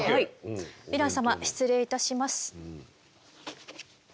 ヴィラン様失礼いたします。